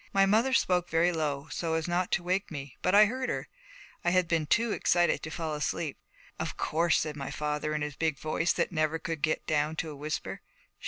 My mother spoke very low, so as not to wake me, but I heard her. I had been too excited to fall asleep. 'Of course,' said my father in his big voice that never could get down to a whisper.